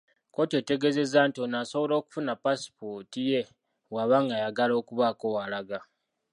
Kkooti etegeezezza nti ono asobola okufuna paasipooti ye bw'aba ng'ayagala okubaako w'alaga.